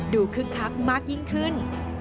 คึกคักมากยิ่งขึ้น